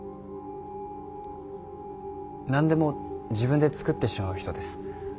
何でも自分でつくってしまう人です。